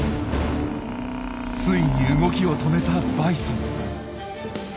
ついに動きを止めたバイソン。